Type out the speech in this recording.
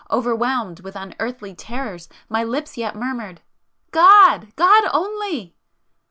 Overwhelmed with unearthly terrors, my lips yet murmured, "God! God only!"